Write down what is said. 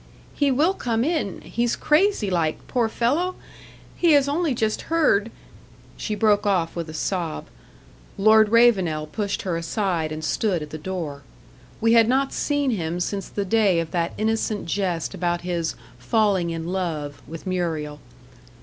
"He will come in he's crazy like, poor fellow! He has only just heard " She broke off with a sob. Lord Ravenel pushed her aside and stood at the door. We had not seen him since the day of that innocent jest about his "falling in love" with Muriel.